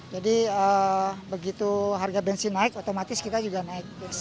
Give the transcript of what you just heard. jadi begitu harga bensin naik otomatis kita juga naik